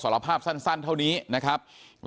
เพราะไม่เคยถามลูกสาวนะว่าไปทำธุรกิจแบบไหนอะไรยังไง